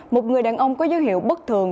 một người đàn ông có dấu hiệu bất thường